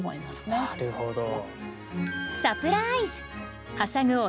なるほど。